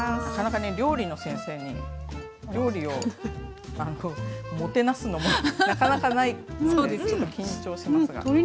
なかなかね料理の先生に料理をもてなすのもなかなかないのでちょっと緊張しますが。